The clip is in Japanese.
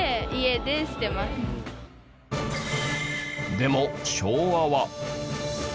でも昭和は。